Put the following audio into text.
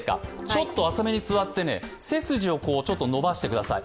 ちょっと浅めに座って背筋をちょっと伸ばしてください。